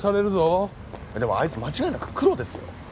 でもあいつ間違いなくクロですよ。